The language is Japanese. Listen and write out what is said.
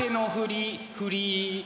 振り！